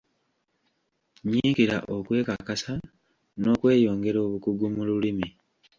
Nyiikira okwekakasa n'okweyongera obukugu mu lulimi.